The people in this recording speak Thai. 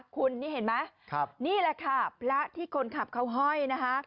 คุณนี่เห็นไหมนี่แหละค่ะพระที่คนขับเขาห้อยนะคะ